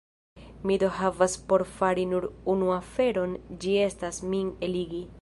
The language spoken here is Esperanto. Mi do havas por fari nur unu aferon: ĝi estas, min eligi.